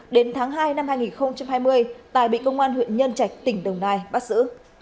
đến tháng hai năm hai nghìn hai mươi tài bị công an huyện nhân trạch tỉnh đồng nai bắt giữ